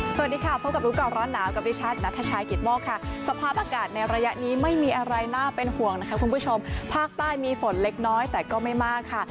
สวัสดีค่ะเห็นภาพอากาศในระยะนี้ไม่มีอะไรหน้าเป็นห่วงนะคะคุณผู้ชมภาคใต้มีฝนเล็กน้อยแต่ก็ไม่มากค่ะ